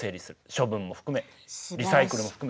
処分も含めリサイクルも含め。